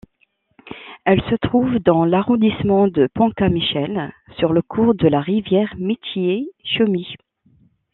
Elles se trouvent dans l'Arrondissement de Penka-Michel, sur le cours de la rivière Metchié-Choumi.